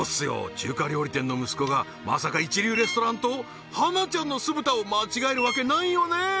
中華料理店の息子がまさか一流レストランと浜ちゃんの酢豚を間違えるわけないよね？